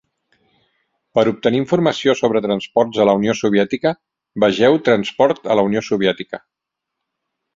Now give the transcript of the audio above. Per obtenir informació sobre transports a la Unió Soviètica, vegeu Transport a la Unió Soviètica.